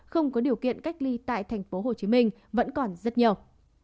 không có điều kiện cách ly tại tp hcm vẫn còn rất nhiều